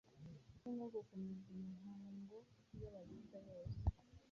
cyangwa gukomeza imihango y’Abayuda yose